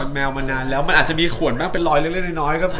แมวมานานแล้วมันอาจจะมีขวดบ้างเป็นรอยเล็กน้อย